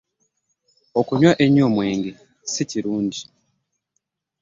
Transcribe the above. Okunywa ennyo omwenge si kirungi.